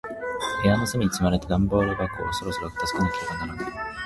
部屋の隅に積まれた段ボール箱を、そろそろ片付けなければならない。